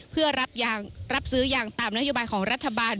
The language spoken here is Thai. เพื่อรับซื้อยางตามนโยบายของรัฐบาล